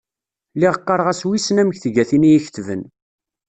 Lliɣ qqareɣ-as wissen amek tga tin i y-iketben.